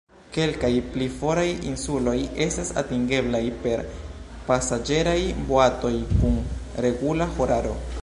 Kelkaj pli foraj insuloj estas atingeblaj per pasaĝeraj boatoj kun regula horaro.